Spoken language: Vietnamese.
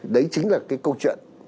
đấy chính là cái câu chuyện